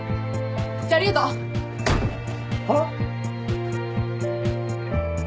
じゃあありがとう。はっ？